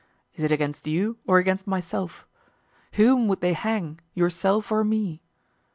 is it against you or against myself? Whom would they hang, yourself or me?